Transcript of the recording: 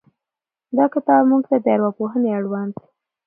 دا کتاب موږ ته د ارواپوهنې اړوند